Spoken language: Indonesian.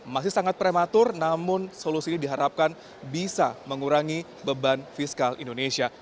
masih sangat prematur namun solusi ini diharapkan bisa mengurangi beban fiskal indonesia